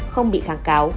không bị kháng cáo